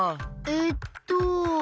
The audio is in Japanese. えっと。